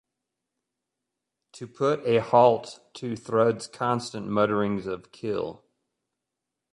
To put a halt to Thrud's constant mutterings of, Kill!